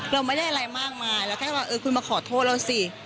เราไม่ได้อะไรมากมายเราแค่ว่าเออคุณมาขอโทษเราสิ